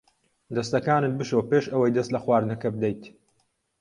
دەستەکانت بشۆ پێش ئەوەی دەست لە خواردنەکە بدەیت.